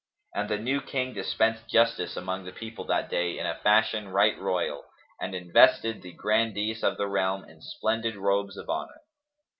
And the new King dispensed justice among the people that day in fashion right royal, and invested the grandees of the realm in splendid robes of honour.